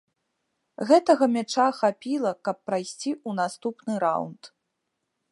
Гэтага мяча хапіла, каб прайсці ў наступны раўнд.